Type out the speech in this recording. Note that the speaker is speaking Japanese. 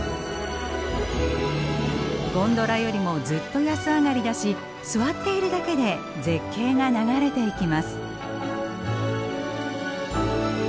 ゴンドラよりもずっと安上がりだし座っているだけで絶景が流れていきます。